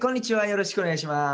よろしくお願いします。